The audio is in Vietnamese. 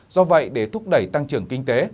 do vậy để thúc đẩy tăng trưởng kinh tế